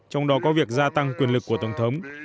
trong đó có việc gia tăng quyền lực của tổng thống